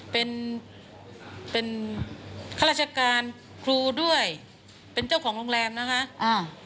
เป็นฆาตราชการครูด้วยเป็นเจ้าของโรงแรมนะคะ